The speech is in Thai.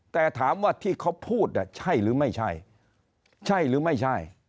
แต่ถามว่าที่เขาพูดใช่หรือไม่ใช่ใช่ใช่หรือไม่ใช่